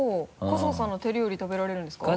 春日さんの手料理食べられるんですか？